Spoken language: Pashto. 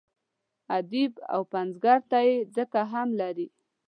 ادیب او پنځګر ته یې ځکه هم لري.